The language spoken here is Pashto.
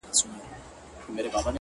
• هره شپه له بېخوبۍ څخه کباب سو ,